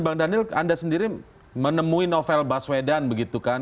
bang daniel anda sendiri menemui novel baswedan begitu kan